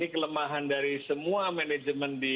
pertama kita harus melakukan pelacakan kontak